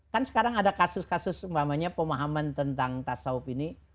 kan sekarang ada kasus kasus pemahaman tentang tasawuf ini